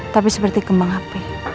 tapi seperti kembang hp